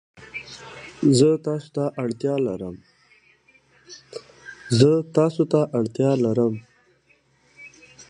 اصلاحات د نظام ځواک زیاتوي